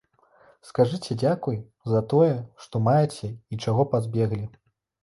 Скажыце дзякуй, за тое, што маеце і чаго пазбеглі.